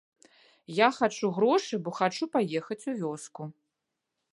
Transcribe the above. Я хачу грошы, бо хачу паехаць у вёску.